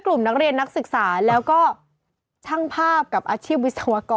กลุ่มที่แชร์ท็อพสี